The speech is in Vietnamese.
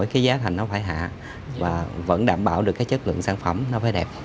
cái giá thành nó phải hạ và vẫn đảm bảo được cái chất lượng sản phẩm nó phải đẹp